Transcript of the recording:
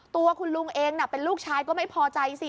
ตัวคุณลุงเองเป็นลูกชายก็ไม่พอใจสิ